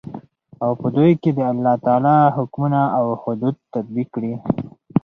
او په دوى كې دالله تعالى حكمونه او حدود تطبيق كړي .